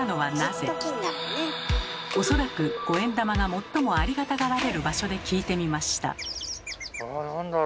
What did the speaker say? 恐らく五円玉が最もありがたがられる場所で聞いてみました。